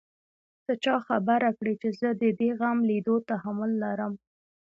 ته چا خبره کړې چې زه د دې غم ليدو تحمل لرم.